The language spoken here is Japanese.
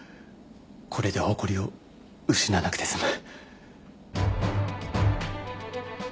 これで誇りを失わなくて済む。